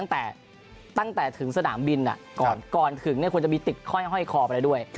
ตั้งแต่ถึงสนามบินนะหลังถึงควรจะมีติดย่อไปด้วย